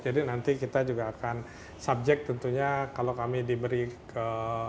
jadi nanti kita juga akan subject tentunya kalau kami diberi ke